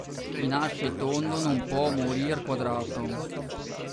Chi nasce tondo non può morir quadrato.